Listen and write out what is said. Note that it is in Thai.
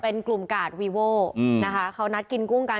เป็นกลุ่มกาดวีโว่นะคะเขานัดกินกุ้งกัน